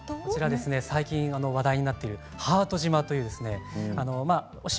最近、話題になっているハート島です。